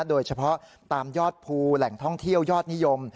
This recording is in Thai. โดยเฉพาะตามยอดภูแหล่งท่องเที่ยวยอดนิยม